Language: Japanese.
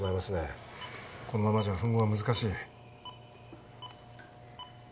このままじゃ吻合は難しい。